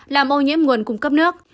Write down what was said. làm ô nhiễm nguồn cung cấp nước